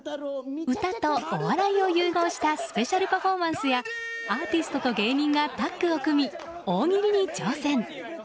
歌とお笑いを融合したスペシャルパフォーマンスやアーティストと芸人がタッグを組み、大喜利に挑戦。